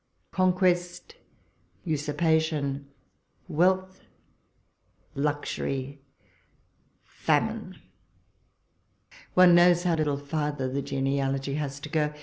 " Conquest, usur)iation, wealth, luxury, famine — one knows how little farther the genealogy has to go.